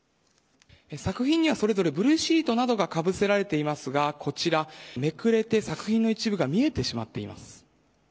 作品にはそれぞれブルーシートなどがかぶせられていますが、こちら、めくれて作品の一部が見えてしまっています。